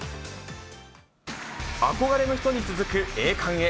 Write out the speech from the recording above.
憧れの人に続く栄冠へ。